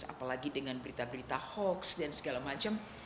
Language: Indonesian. apalagi dengan berita berita hoax dan segala macam